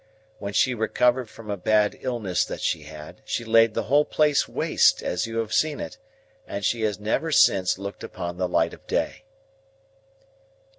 When she recovered from a bad illness that she had, she laid the whole place waste, as you have seen it, and she has never since looked upon the light of day."